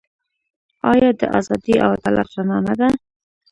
آیا د ازادۍ او عدالت رڼا نه ده؟